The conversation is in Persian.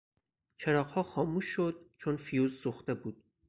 چراغها خاموش شد چون فیوز سوخته بود.